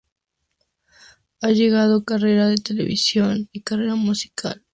Ha hecho carrera en televisión, y carrera musical.